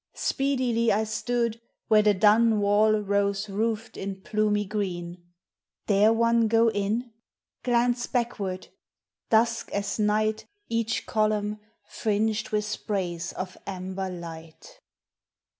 Speedily I stood Where the dun wall rose roofed in plumy green. Dare one go in?— Glance backward! Dusk as night Each column, fringed with sprays of amber light.